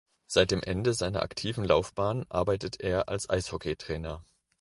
Seit dem Ende seiner aktiven Laufbahn arbeitet er als Eishockeytrainer.